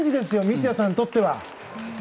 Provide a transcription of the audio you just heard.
三ツ谷さんにとっては。